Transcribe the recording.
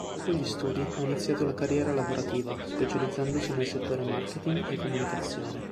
Dopo gli studi ha iniziato la carriera lavorativa, specializzandosi nel settore marketing e comunicazione.